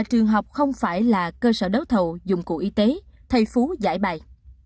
trường học không phải là cơ sở đấu thầu dụng cụ y tế thầy phú giải bài